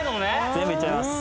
全部いっちゃいます。